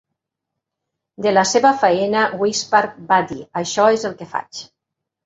De la seva feina a weSpark, va dir: Això és el que faig.